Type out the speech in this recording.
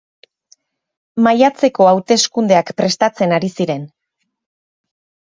Maiatzeko hauteskundeak prestatzen ari ziren.